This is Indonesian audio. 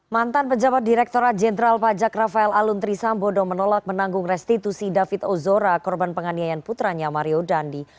mantan pejabat direkturat jenderal pajak rafael alun trisambodo menolak menanggung restitusi david ozora korban penganiayaan putranya mario dandi